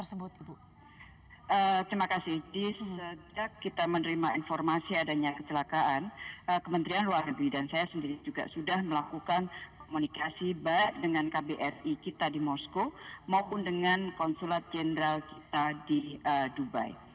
seadanya kecelakaan kementerian luar negeri dan saya sendiri juga sudah melakukan komunikasi baik dengan kbri kita di moskow maupun dengan konsulat jenderal kita di dubai